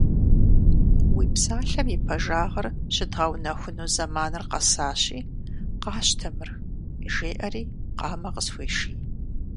Уи псалъэм и пэжагъыр щыдгъэунэхуну зэманыр къэсащи, къащтэ мыр, — жеӀэри, къамэ къысхуеший.